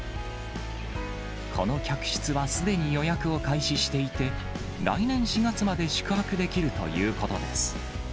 この客室はすでに予約を開始していて、来年４月まで宿泊できるということです。